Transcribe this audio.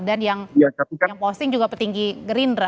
dan yang posting juga petinggi gerindra